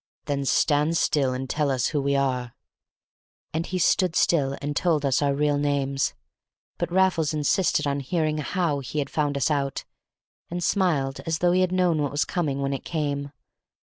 "Then stand still and tell us who we are." And he stood still and told us our real names. But Raffles insisted on hearing how he had found us out, and smiled as though he had known what was coming when it came.